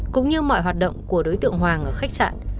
cũng như mọi hoạt động của đối tượng hoàng ở khách sạn